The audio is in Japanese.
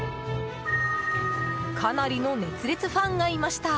かなりの熱烈ファンがいました。